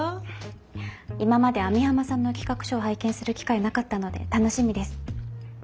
今まで網浜さんの企画書を拝見する機会なかったので楽しみです。